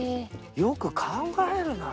よく考えるなあ。